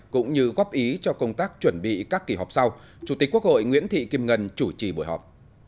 cũng như góp ý cho công tác chuẩn bị các kỳ họp sau chủ tịch quốc hội nguyễn thị kim ngân chủ trì buổi họp